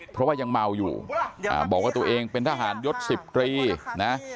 เพราะว่ายังเมาอยู่บอกว่าตัวเองเป็นทหารยศ๑๐ตรีนะ